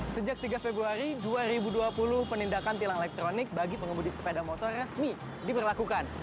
sejak tiga februari dua ribu dua puluh penindakan tilang elektronik bagi pengemudi sepeda motor resmi diberlakukan